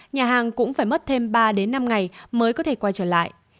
nhà hàng cũng phải mất thêm ba năm ngày mới có thể quay trở lại